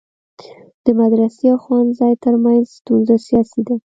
د مدرسي او ښوونځی ترمنځ ستونزه سیاسي ده.